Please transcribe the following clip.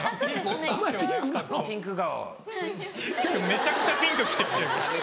めちゃくちゃピンク着て。